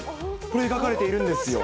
これ、描かれているんですよ。